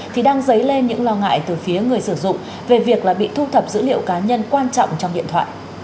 thì đang dấy lên những lo ngại từ phía người sử dụng về việc là bị thu thập dữ liệu cá nhân quan trọng trong điện thoại